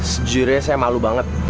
sejujurnya saya malu banget